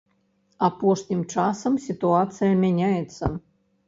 Апошнім часам сітуацыя мяняецца.